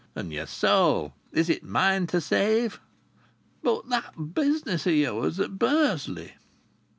And yer soul, as is mine to save?" "But that business o' yours at Bursley?"